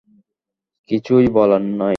কিছুই বলার নেই।